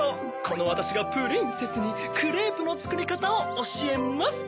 このわたしがプリンセスにクレープのつくりかたをおしえます！